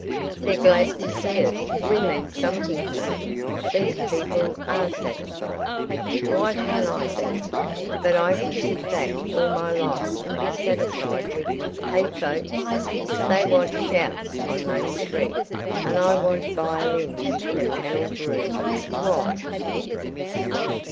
"They're glad to see us. We mean something here. These people are satisfied. Why can't I be? But can I sit back all my life and be satisfied with 'Hey, folks'? They want shouts on Main Street, and I want violins in a paneled room. Why